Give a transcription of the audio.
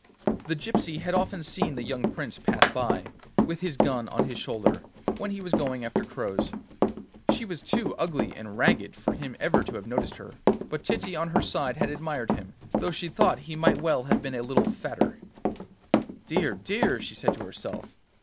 The gypsy had often seen the young Prince pass by, with his gun on his shoulder, when he was going after crows. She was too ugly and ragged for him ever to have noticed her, but Titty on her side had admired him, though she thought he might well have been a little fatter. 'Dear, dear!' she said to herself.